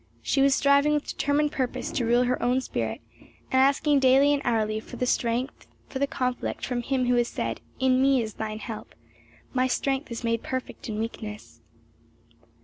She was striving with determined purpose to rule her own spirit, and asking daily and hourly for strength for the conflict from Him who has said, "In me is thine help," "My strength is made perfect in weakness."